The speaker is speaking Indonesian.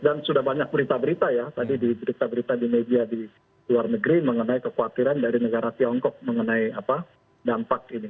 dan sudah banyak berita berita ya tadi di berita berita di media di luar negeri mengenai kekhawatiran dari negara tiongkok mengenai dampak ini